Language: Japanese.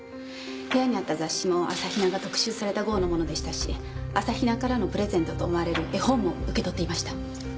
部屋にあった雑誌も朝比奈が特集された号のものでしたし朝比奈からのプレゼントと思われる絵本も受け取っていました。